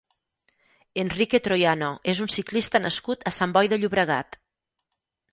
Enrique Troyano és un ciclista nascut a Sant Boi de Llobregat.